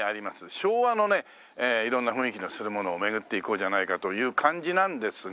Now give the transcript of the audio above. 昭和のね色んな雰囲気のするものを巡っていこうじゃないかという感じなんですが。